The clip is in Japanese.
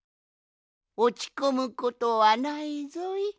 おちこむことはないぞい。